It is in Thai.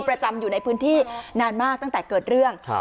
ประจำอยู่ในพื้นที่นานมากตั้งแต่เกิดเรื่อง